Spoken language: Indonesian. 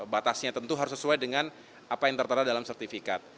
batasnya tentu harus sesuai dengan apa yang tertera dalam sertifikat